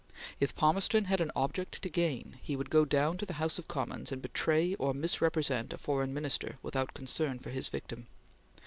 If Palmerston had an object to gain, he would go down to the House of Commons and betray or misrepresent a foreign Minister, without concern for his victim.